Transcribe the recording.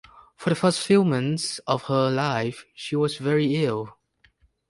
For the first few months of her life she was very ill.